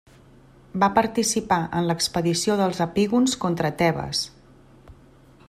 Va participar en l'expedició dels epígons contra Tebes.